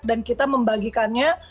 dan kita membagikannya